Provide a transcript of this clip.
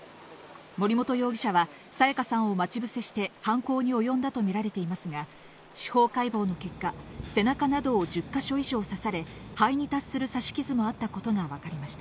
森本容疑者は彩加さんを待ち伏せして、犯行におよんだとみられていますが、司法解剖の結果、背中などを１０か所以上刺され、肺に達する刺し傷もあったことがわかりました。